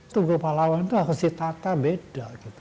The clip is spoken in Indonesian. tugu pahlawan itu harus ditata beda gitu